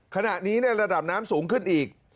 ขณะนี้ระดับน้ำสูงขึ้นอีก